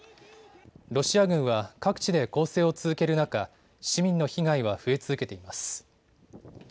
ロシア軍は各地で攻勢を続ける中、市民の被害は増え続けています。